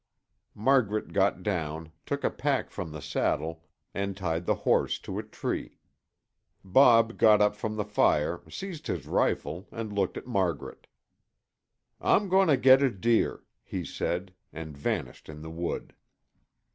Margaret got down, took a pack from the saddle, and tied the horse to a tree. Bob got up from the fire, seized his rifle, and looked at Margaret. "I'm going to get a deer," he said and vanished in the wood.